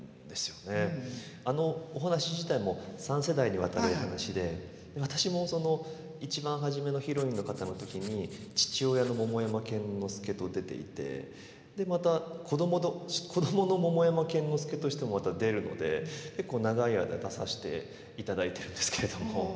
あのお話自体も３世代にわたるお話で私もその一番初めのヒロインの方の時に父親の桃山剣之介と出ていてでまた子供の桃山剣之介としてもまた出るので結構長い間出させていただいてるんですけれども。